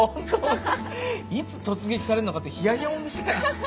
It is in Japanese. いつ突撃されるのかって冷や冷やもんでしたよ。